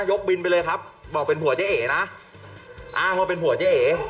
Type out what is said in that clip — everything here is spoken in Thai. บินไปเลยครับบอกเป็นผัวเจ๊เอ๋นะอ้างว่าเป็นผัวเจ๊เอ๋